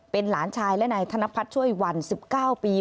เป็นหลานชายและนายธนพัฒน์ช่วยวัน๑๙ปี